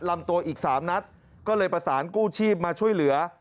ลำตัวอีกสามนัดก็เลยประสานกู้ชีพมาช่วยเหลือ